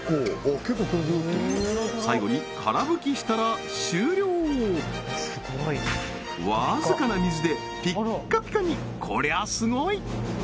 最後にから拭きしたら終了わずかな水でピッカピカにこりゃすごい！